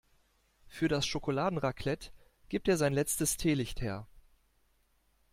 Für das Schokoladenraclette gibt er sein letztes Teelicht her.